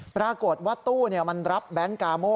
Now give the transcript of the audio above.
ปรากฏว่าตู้มันรับแบงค์กาโม่